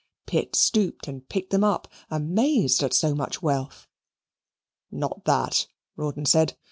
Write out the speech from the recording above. Pitt stooped and picked them up, amazed at so much wealth. "Not that," Rawdon said.